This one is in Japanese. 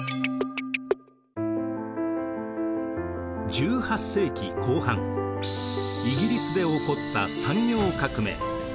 １８世紀後半イギリスで起こった産業革命。